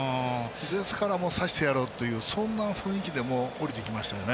ですから、刺してやろうというそんな雰囲気でおりてきましたよね。